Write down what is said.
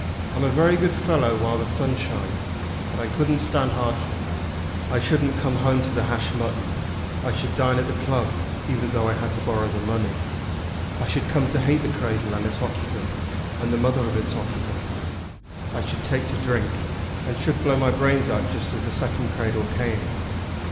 I'm a very good fellow while the sun shines, but I couldn't stand hardship. I shouldn't come home to the hashed mutton. I should dine at the club, even though I had to borrow the money. I should come to hate the cradle and its occupant, and the mother of its occupant. I should take to drink, and should blow my brains out just as the second cradle came.